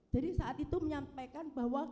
jadi saat itu menyampaikan bahwa